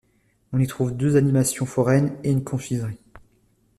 On y trouve deux animations foraines et une confiserie.